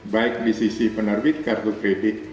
baik di sisi penerbit kartu kredit